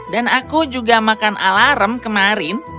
dan aku juga makan alarm kemarin